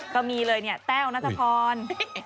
ก็มีเลยเนี่ยแต้วนัทพร